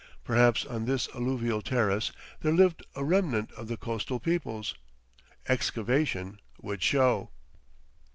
Perhaps on this alluvial terrace there lived a remnant of the coastal peoples. Excavation would show.